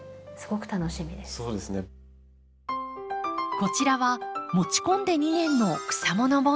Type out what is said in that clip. こちらは持ち込んで２年の草もの盆栽。